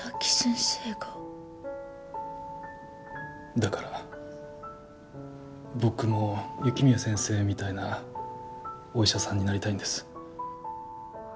だから僕も雪宮先生みたいなお医者さんになりたいんです。